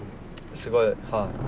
すごいはい。